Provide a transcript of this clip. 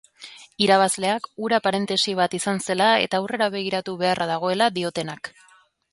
Irabazleak hura parentesi bat izan zela eta aurrera begiratu beharra dagoela diotenak.